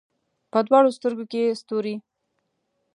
په دواړو سترګو کې یې ستوري